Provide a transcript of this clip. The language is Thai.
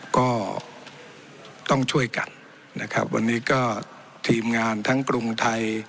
ก็ต้องช่วยกันนะครับวันนี้ก็ทีมงานทั้งกรุงไทย